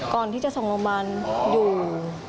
ก่อนที่จะส่งโรงพยาบาลอยู่